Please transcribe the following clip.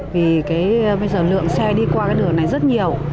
vì bây giờ lượng xe đi qua đường này rất nhiều